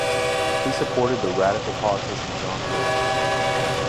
He supported the radical politician John Wilkes.